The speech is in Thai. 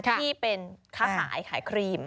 ที่เป็นค้าขายขายครีม